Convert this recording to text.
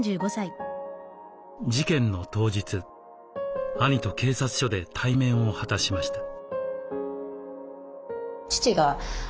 事件の当日兄と警察署で対面を果たしました。